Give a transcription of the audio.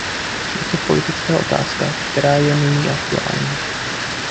Je to politická otázka, která je nyní aktuální.